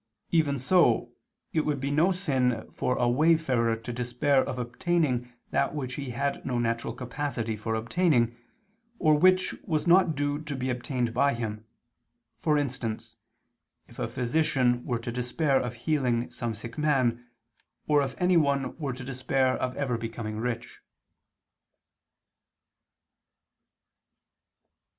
Even so, it would be no sin for a wayfarer to despair of obtaining that which he had no natural capacity for obtaining, or which was not due to be obtained by him; for instance, if a physician were to despair of healing some sick man, or if anyone were to despair of ever becoming rich.